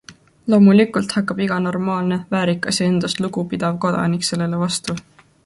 Loomulikult hakkab iga normaalne, väärikas ja endast lugu pidav kodanik sellele vastu.